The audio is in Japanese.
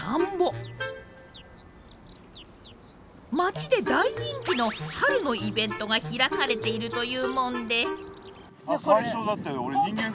町で大人気の春のイベントが開かれているというもんで。